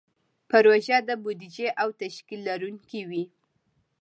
پروژه د بودیجې او تشکیل لرونکې وي.